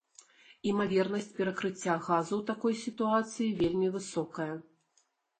Імавернасць перакрыцця газу ў такой сітуацыі вельмі высокая.